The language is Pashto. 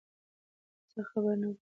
حادثه خبر نه کوي.